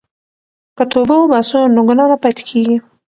که توبه وباسو نو ګناه نه پاتې کیږي.